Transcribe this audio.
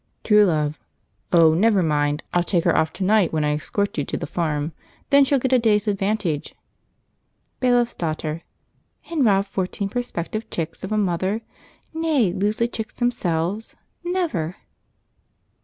True Love. "Oh, never mind! I'll take her off to night when I escort you to the farm; then she'll get a day's advantage." Bailiff's Daughter. "And rob fourteen prospective chicks of a mother; nay, lose the chicks themselves? Never!"